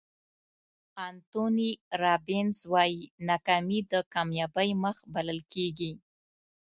انتوني رابینز وایي ناکامي د کامیابۍ مخ بلل کېږي.